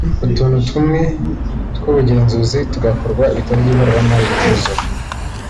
utuntu tumwe tw’ubugenzuzi tugakorwa ibitabo by’ibaruramari bikuzura